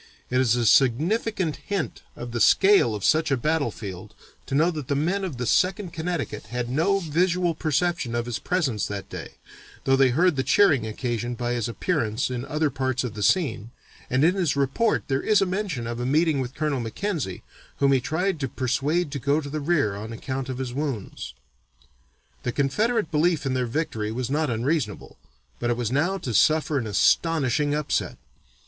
It is a significant hint of the scale of such a battlefield to know that the men of the Second Connecticut had no visual perception of his presence that day, though they heard the cheering occasioned by his appearance in other parts of the scene, and in his report there is mention of a meeting with Colonel Mackenzie, whom he tried to persuade to go to the rear on account of his wounds. The Confederate belief in their victory was not unreasonable, but it was now to suffer an astonishing upset.